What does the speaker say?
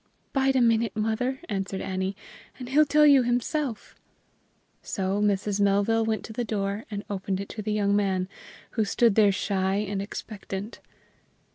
"Bide a minute, mother," answered Annie, "and he'll tell you himself." So Mrs. Melville went to the door and opened it to the young man, who stood there shy and expectant.